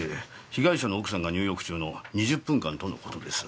被害者の奥さんが入浴中の２０分間との事です。